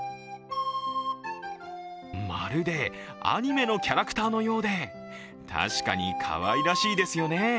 まるでアニメのキャラクターのようで確かにかわいらしいですよね。